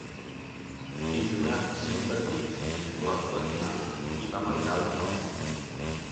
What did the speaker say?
Hi jugà cinc partits, inclosa la final, i va marcar un gol.